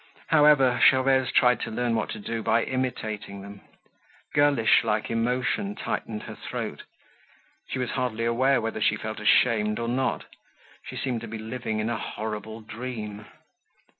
However, Gervaise tried to learn what to do by imitating them; girlish like emotion tightened her throat; she was hardly aware whether she felt ashamed or not; she seemed to be living in a horrible dream.